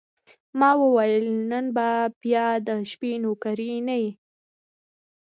ما وویل: نن به بیا د شپې نوکري نه یې؟